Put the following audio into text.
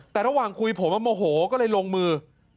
แต่ระหว่างคุยผมโมโหก็เลยลงมือ